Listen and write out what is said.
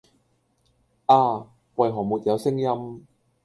啊！為何沒有聲音？